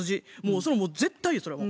それはもう絶対やそれはもう。